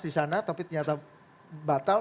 di sana tapi ternyata batal